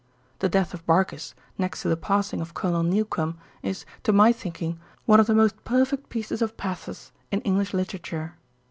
The death of Barkis, next to the passing of Colonel Newcome, is, to my thinking, one of the most perfect pieces of pathos in English literature.